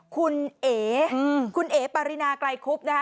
คุณเอ๋คุณเอ๋ปารินาไกลคุบนะคะ